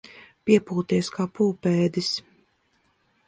Piepūties kā pūpēdis.